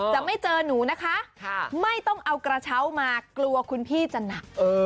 จะไม่เจอหนูนะคะไม่ต้องเอากระเช้ามากลัวคุณพี่จะหนัก